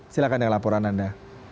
silahkan dengan laporan anda